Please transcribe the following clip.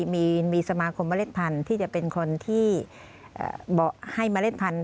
มีสมาคมเมล็ดพันธุ์ที่จะเป็นคนที่ให้มาเล่นพันธุ